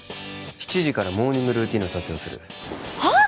７時からモーニングルーティンの撮影をするはあ？